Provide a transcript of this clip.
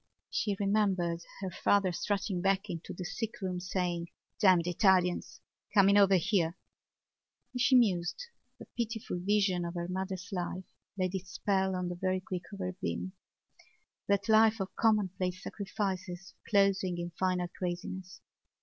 She remembered her father strutting back into the sickroom saying: "Damned Italians! coming over here!" As she mused the pitiful vision of her mother's life laid its spell on the very quick of her being—that life of commonplace sacrifices closing in final craziness.